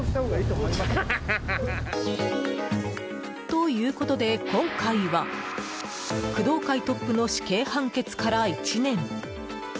ということで今回は工藤会トップの死刑判決から１年。